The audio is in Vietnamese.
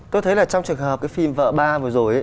tôi thấy là trong trường hợp cái phim vợ ba vừa rồi